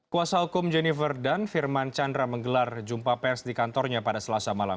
kuasa hukum jennifer dunn firman chandra menggelar jumpa pers di kantornya pada selasa malam